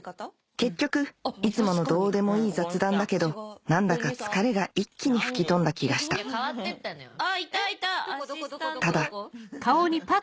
結局いつものどうでもいい雑談だけど何だか疲れが一気に吹き飛んだ気がしたただあいたいた！